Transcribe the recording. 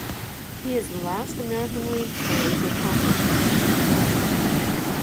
He is the last American League player to accomplish this feat.